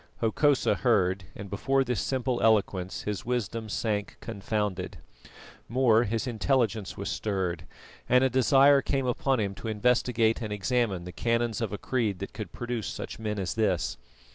Hokosa heard, and before this simple eloquence his wisdom sank confounded. More, his intelligence was stirred, and a desire came upon him to investigate and examine the canons of a creed that could produce such men as this.